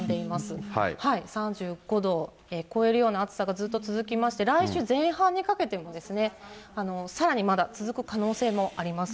３５度を超えるような暑さがずっと続きまして、来週前半にかけてもさらにまだ続く可能性もあります。